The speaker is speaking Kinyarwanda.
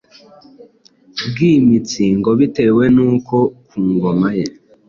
bwimitsi ngo bitewe n’uko ku ngoma ye